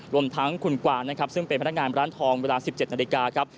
รวมทั้งคุณกวานซึ่งเป็นพนักงานร้านทองเวลา๑๗นาฬิกา